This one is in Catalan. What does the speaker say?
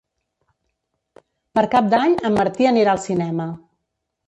Per Cap d'Any en Martí anirà al cinema.